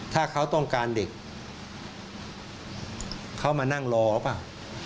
ถ้าเขาต้องการเด็กเขามานั่งรอหรือเปล่า